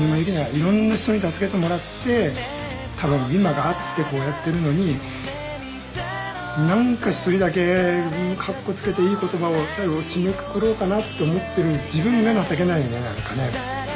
いろんな人に助けてもらって多分今があってこうやってるのになんか一人だけかっこつけていい言葉を最後締めくくろうかなって思ってる自分が情けないねなんかね。